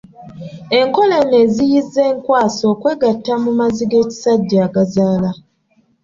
Enkola eno eziyiza enkwaso okwegatta mu mazzi g’ekisajja agazaala.